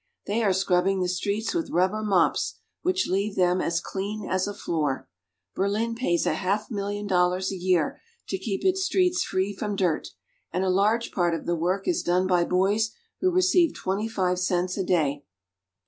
They are scrubbing the streets with rubber mops, which leave them as clean as a floor. Berlin pays a half million dollars a year to keep its streets free from dirt, and a large part of the work is done by boys who receive twenty five cents a day.